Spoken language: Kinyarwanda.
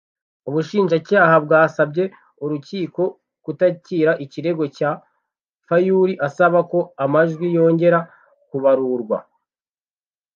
Ubushinjacyaha bwasabye urukiko kutakira ikirego cya Fayulu usaba ko amajwi yongera kubarurwa